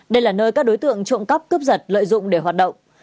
đây là nơi các đối tượng trộm cắp cướp giật lợi dụng để hoạt động